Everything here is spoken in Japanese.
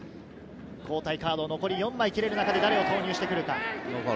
交代カード、残り４枚切れる中で誰を投入してくるか？